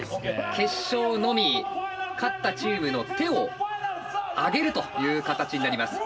決勝のみ勝ったチームの手を挙げるという形になります。